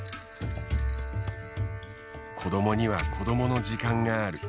子どもには子どもの時間がある。